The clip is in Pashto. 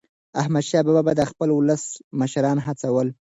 احمدشاه بابا به د خپل ولس مشران هڅول.